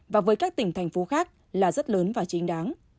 và với các tỉnh thành phố khác là rất lớn và chính đáng